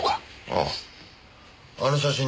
あああの写真ね。